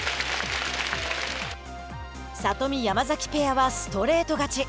里見・山崎ペアはストレート勝ち。